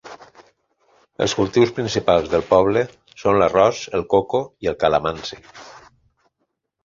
Els cultius principals del poble són l'arròs, el coco i el calamansi.